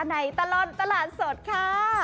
ในตลอดตลาดสดค่ะ